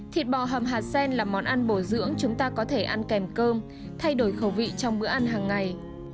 thịt bò hầm hạt sen là món ăn bổ dưỡng chúng ta có thể ăn kèm cơm thay đổi khẩu vị trong bữa ăn hàng ngày